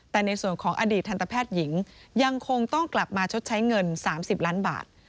แต่ในส่วนของอดีตทันตแพทย์หญิงยังคงต้องกลับมาชดใช้เงิน๓๐ล้านบาท